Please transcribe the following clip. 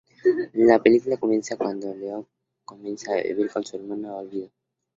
La película comienza cuando León comienza a vivir con su hermana Olvido.